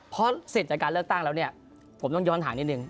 พอเสร็จจากการเลิกตั้งแล้วผมต้องย้อนถ่านีนึง